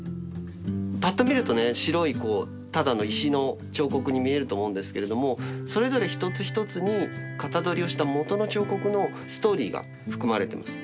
ぱっと見るとね白いただの石の彫刻に見えると思うんですけれどもそれぞれ一つ一つにかたどりをしたもとの彫刻のストーリーが含まれてます。